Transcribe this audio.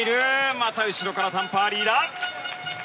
また後ろからタン・パーリーだ。